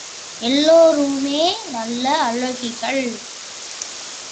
எல்லோருமே நல்ல அழகிகள்.